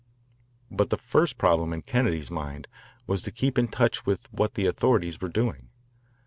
But the first problem in Kennedy's mind was to keep in touch with what the authorities were doing.